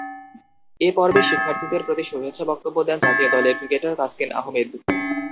এ পর্বে শিক্ষার্থীদের প্রতি শুভেচ্ছা বক্তব্য দেন জাতীয় দলের ক্রিকেটার তাসকিন আহমেদ।